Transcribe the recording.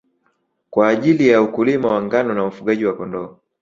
kwa ajili ya ukulima wa ngano na ufugaji wa Kondoo